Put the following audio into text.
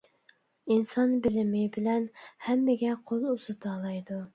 -ئىنسان بىلىمى بىلەن ھەممىگە قول ئۇزىتالايدۇ.